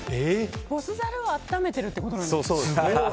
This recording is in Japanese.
ボスザルを暖めているってことなんですか。